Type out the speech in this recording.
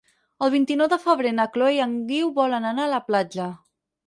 El vint-i-nou de febrer na Chloé i en Guiu volen anar a la platja.